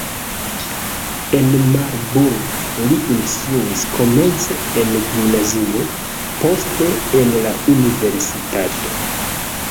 En Marburg li instruis komence en gimnazio, poste en la universitato.